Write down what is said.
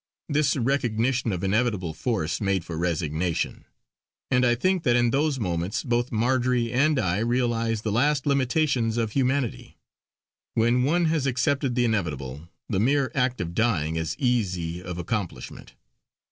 This recognition of inevitable force made for resignation; and I think that in those moments both Marjory and I realised the last limitations of humanity. When one has accepted the inevitable, the mere act of dying is easy of accomplishment.